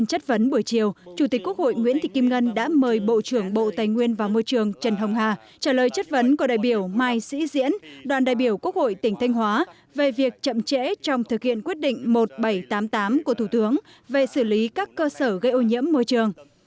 trong chủ tịch quốc hội nguyễn thị kim ngân đã mời bộ trưởng bộ tài nguyên và môi trường trần hồng hà trả lời chất vấn của đại biểu mai sĩ diễn đoàn đại biểu quốc hội tỉnh thanh hóa về việc chậm trễ trong thực hiện quyết định một nghìn bảy trăm tám mươi tám của thủ tướng về xử lý các cơ sở gây ô nhiễm môi trường